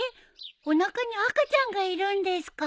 おなかに赤ちゃんがいるんですか？